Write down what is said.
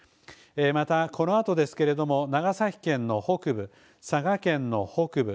また、このあとですけれども、長崎県の北部、佐賀県の北部